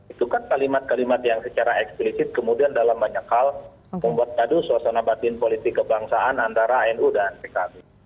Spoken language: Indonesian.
itu kan kalimat kalimat yang secara eksplisit kemudian dalam banyak hal membuat adu suasana batin politik kebangsaan antara nu dan pkb